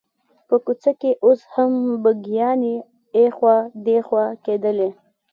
په کوڅه کې اوس هم بګیانې اخوا دیخوا کېدلې.